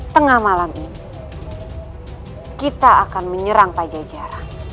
tengah malam ini kita akan menyerang taja jara